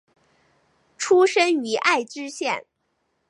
出身于爱知县。